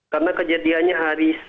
karena kejadiannya hari